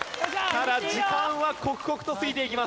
ただ時間は刻々と過ぎていきます。